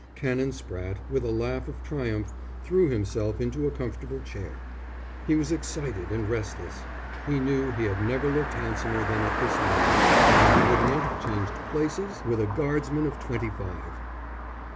Canon Spratte, with a laugh of triumph, threw himself into a comfortable chair. He was excited and restless. He knew he had never looked handsomer than at this moment, and he would not have changed places with a guardsman of twenty five.